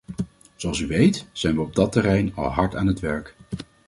Zoals u weet, zijn we op dat terrein al hard aan het werk.